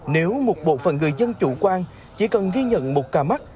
nếu một bộ phận người dân chủ quan chỉ cần ghi nhận một ca mắc